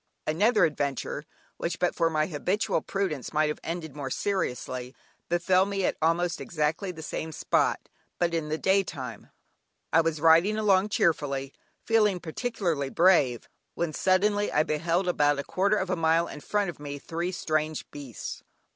Another adventure (which but for my habitual prudence might have ended more seriously) befell me at almost exactly the same spot, but in the day time. I was riding along cheerfully, feeling particularly brave, when suddenly I beheld about a quarter of a mile in front of me three strange beasts.